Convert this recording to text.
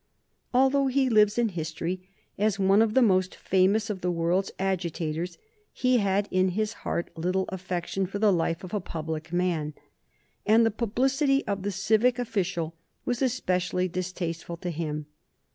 Although he lives in history as one of the most famous of the world's agitators, he had in his heart little affection for the life of a public man. And the publicity of the civic official was especially distasteful to him.